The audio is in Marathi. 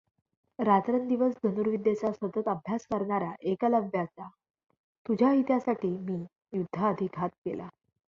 रात्रंदिवस धनुर्विद्येचा सतत अभ्यास करणाऱ्या एकलव्याचा तुझ्या हितासाठी मी युध्दाआधी घात केला.